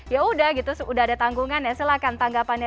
ya sudah ada tanggungan ya silakan tanggapannya